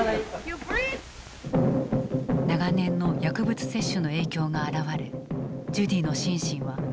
長年の薬物摂取の影響が現れジュディの心身は限界に近づいていた。